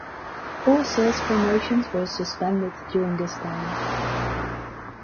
All sales promotions were suspended during this time.